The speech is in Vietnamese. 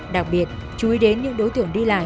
đặc biệt chú ý đến những đối tượng đi lại